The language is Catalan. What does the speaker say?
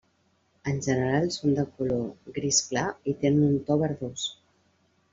En general són de color gris clar i tenen un to verdós.